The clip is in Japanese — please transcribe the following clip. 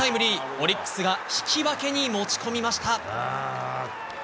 オリックスが引き分けに持ち込みました。